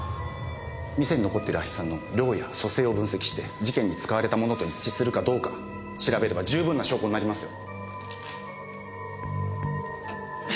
店に残ってる亜ヒ酸の量や組成を分析して事件に使われたものと一致するかどうか調べれば十分な証拠になりますよ。